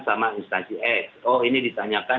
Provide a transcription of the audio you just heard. sama instansi s oh ini ditanyakan